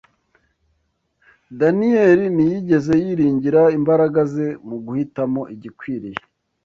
Daniyeli ntiyigeze yiringira imbaraga ze mu guhitamo igikwiriye